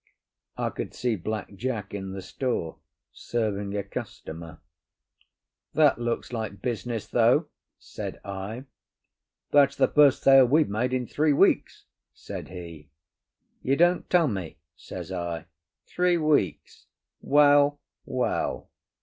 I could see Black Jack in the store, serving a customer. "That looks like business, though," said I. "That's the first sale we've made in three weeks," said he. "You don't tell me?" says I. "Three weeks? Well, well."